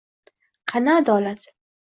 Qani adolat?